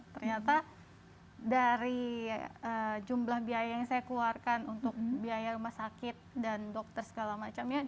ternyata dari jumlah biaya yang saya keluarkan untuk biaya rumah sakit dan dokter segala macamnya